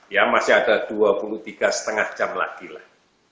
ya masih ada dua puluh tiga lima jam lagi lah